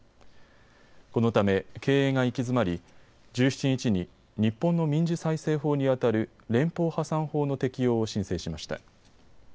このため経営が行き詰まり１７日に日本の民事再生法にあたる連邦破産法の適用を申請しました。